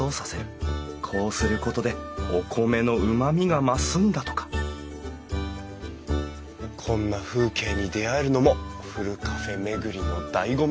こうすることでお米のうまみが増すんだとかこんな風景に出会えるのもふるカフェ巡りのだいご味！